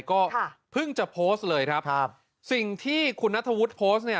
ก็เพิ่งจะโพสต์เลยครับสิ่งที่คุณณธวดโพสต์เนี่ย